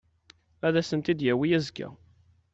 Ad asen-t-id-yawi azekka.